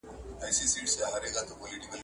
ماشومان په څو کلنۍ کي پر لمانځه امر کيږي؟